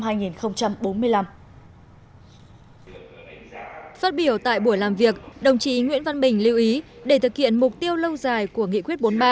phát biểu tại buổi làm việc đồng chí nguyễn văn bình lưu ý để thực hiện mục tiêu lâu dài của nghị quyết bốn mươi ba